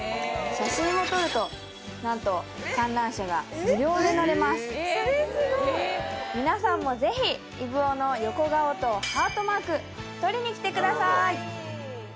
写真を撮ると何と観覧車が無料で乗れますみなさんもぜひイブオの横顔とハートマーク撮りにきてください！